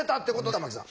玉木さん。